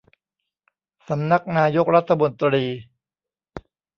สำนักนายกรัฐมนตรี